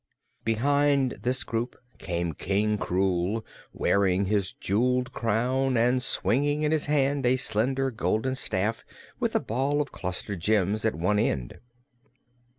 Behind this group came King Krewl, wearing his jeweled crown and swinging in his hand a slender golden staff with a ball of clustered gems at one end.